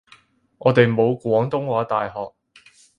我哋冇廣東話大學